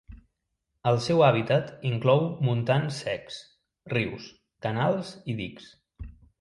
El seu hàbitat inclou montans secs, rius, canals i dics.